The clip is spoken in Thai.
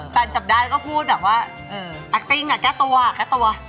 แฟนจับได้ก็พูดแบบว่าอักติ้งแก้ตัว